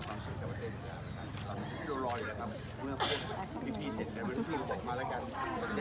สวัสดีทุกคน